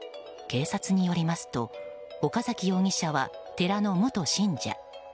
警察によりますと岡崎容疑者は寺の元信者。